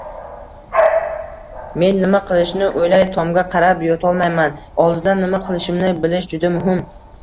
Men nima qilishni oʻylab tomga qarab yotolmayman, oldindan nima qilishimni bilish juda muhim.